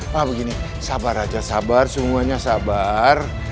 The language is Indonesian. pak begini sabar aja sabar semuanya sabar